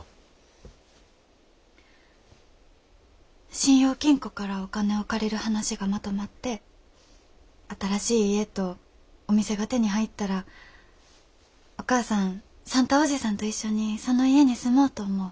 信用金庫からお金を借りる話がまとまって新しい家とお店が手に入ったらお母さん算太伯父さんと一緒にその家に住もうと思う。